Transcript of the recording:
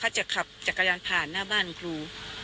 ถ้าจะขับจักรยานผ่านหน้าบ้านครู